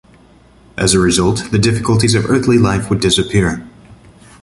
As a result, the difficulties of earthly life would disappear.